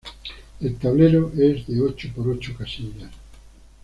El tablero es de ocho por ocho casillas.